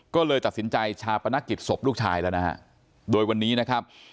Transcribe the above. ก็เลยตัดสินใจชาปนกิจศพลูกชายแล้วนะฮะโดยวันนี้นะครับ